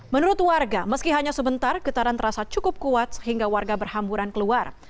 menurut warga meski hanya sebentar getaran terasa cukup kuat sehingga warga berhamburan keluar